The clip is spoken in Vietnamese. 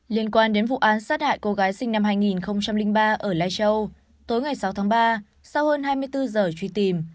liên quan đến vụ án sát hại cô gái sinh năm hai nghìn ba ở lai châu tối ngày sáu tháng ba sau hơn hai mươi bốn giờ truy tìm